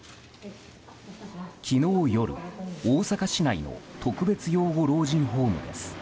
昨日夜、大阪市内の特別養護老人ホームです。